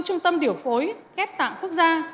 trung tâm điểu phối khép tạng quốc gia